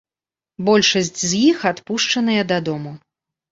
Большасць з іх адпушчаныя дадому.